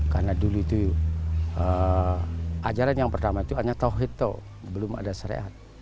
karena dulu itu ajaran yang pertama itu hanya tauhid belum ada serehat